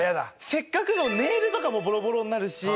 せっかくのネイルとかもボロボロになるし。